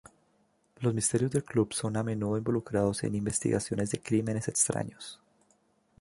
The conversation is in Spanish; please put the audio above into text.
Los misterios del club son a menudo involucrados en investigaciones de crímenes extraños.